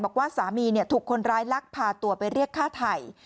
บอกว่าสามีถูกคนร้ายลักพาตัวไปเรียกฆ่าไทย